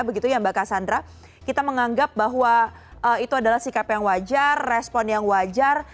begitu ya mbak cassandra kita menganggap bahwa itu adalah sikap yang wajar respon yang wajar